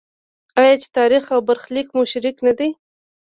آیا چې تاریخ او برخلیک مو شریک نه دی؟